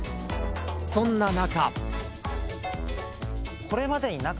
そんな中。